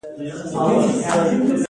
دوی بیل او کلنګ او چاقو جوړ کړل.